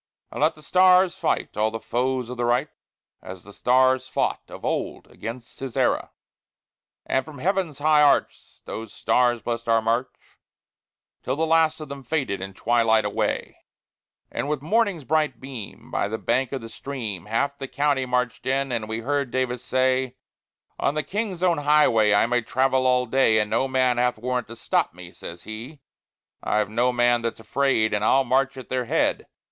And let thy stars fight all the foes of the Right As the stars fought of old against Sisera." And from heaven's high arch those stars blessed our march, Till the last of them faded in twilight away; And with morning's bright beam, by the bank of the stream, Half the county marched in, and we heard Davis say: "On the King's own highway I may travel all day, And no man hath warrant to stop me," says he; "I've no man that's afraid, and I'll march at their head."